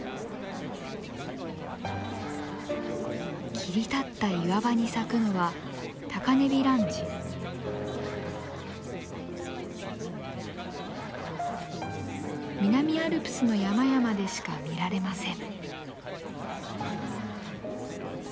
切り立った岩場に咲くのは南アルプスの山々でしか見られません。